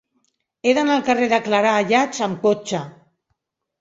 He d'anar al carrer de Clarà Ayats amb cotxe.